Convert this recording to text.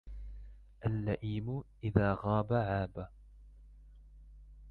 اللَّئِيمُ إذَا غَابَ عَابَ